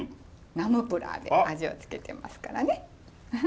ナンプラーで味を付けてますからね。